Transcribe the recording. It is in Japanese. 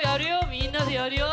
みんなでやるよ。